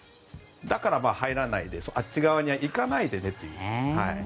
だから、入らないであっち側に行かないでねという。